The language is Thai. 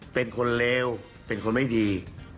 เป็นคนเลวเป็นคนไม่ดี